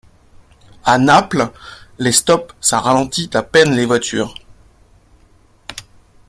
A Naples, les stop ça ralentit à peine les voitures.